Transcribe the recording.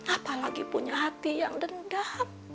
apalagi punya hati yang dendam